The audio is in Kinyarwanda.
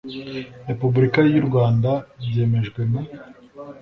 repubulika y u rwanda byemejwe na